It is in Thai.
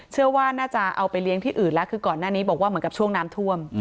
เชื่อว่าน่าจะเอาไปเลี้ยงที่อื่นแล้วคือก่อนหน้านี้บอกว่าเหมือนกับช่วงน้ำท่วม